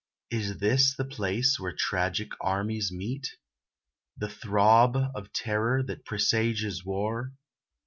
Is this the place where tragic armies meet? The throb of terror that presages war?